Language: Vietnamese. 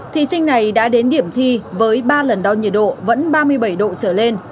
thí sinh này đã đến điểm thi với ba lần đo nhiệt độ vẫn ba mươi bảy độ trở lên